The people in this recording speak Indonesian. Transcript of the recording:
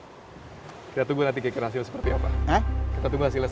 kita tunggu nanti kekerasan seperti apa